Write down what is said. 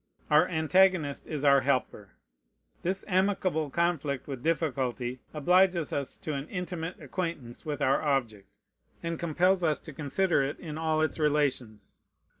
Our antagonist is our helper. This amicable conflict with difficulty obliges us to an intimate acquaintance with our object, and compels us to consider it in all its relations.